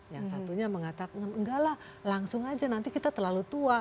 yang satunya mengatakan enggak lah langsung aja nanti kita terlalu tua